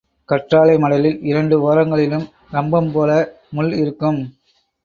கற்றாழைமடலில் இரண்டு ஓரங்களிலும் ரம்பம் போல முள் இருக்கும்.